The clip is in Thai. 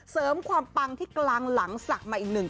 เสริมความปังที่กลางหลังศักดิ์มาอีกหนึ่ง